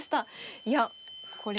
いやこれが。